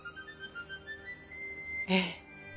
ええ。